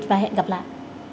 tạm biệt và hẹn gặp lại